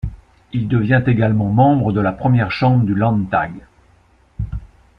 Il devient également membre de la Première Chambre du Landtag.